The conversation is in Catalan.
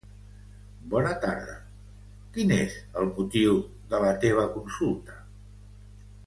Bona tarda, quin és el motiu de la teva consulta?